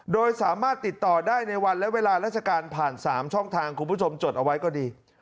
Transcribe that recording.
โดยสามารถติดต่อได้ในวันและเวลาราชการผ่าน๓ช่องทางคุณผู้ชมจดเอาไว้ก็ดี